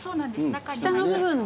下の部分だ。